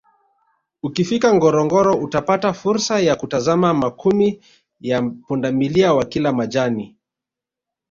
Ukifika Ngorongoro utapata fursa ya kutazama makumi ya pundamilia wakila majani